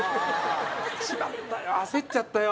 しまったよ焦っちゃったよ！